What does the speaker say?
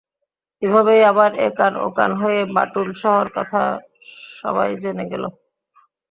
এভাবেই আবার এ-কান ও-কান হয়ে বাটুল শাহর কথা সবাই জেনে গেল।